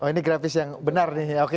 oh ini grafis yang benar nih